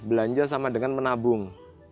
belanja sama dengan menabung